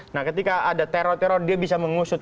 nah ketika ada teror teror dia bisa mengusut